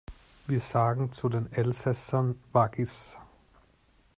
Wir sagen zu den Elsässern Waggis.